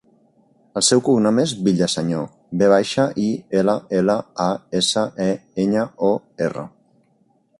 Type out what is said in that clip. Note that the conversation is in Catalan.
El seu cognom és Villaseñor: ve baixa, i, ela, ela, a, essa, e, enya, o, erra.